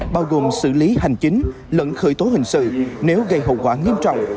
bao gồm xử lý hành chính lẫn khởi tố hình sự nếu gây hậu quả nghiêm trọng